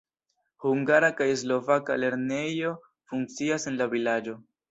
Hungara kaj slovaka lernejoj funkcias en la vilaĝo.